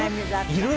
いる？